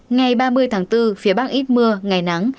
ngày ba mươi tháng bốn phía bắc ít mưa ngày nắng